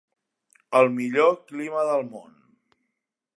El millor clima del món!